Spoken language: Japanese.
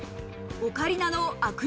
オカリナのアクネ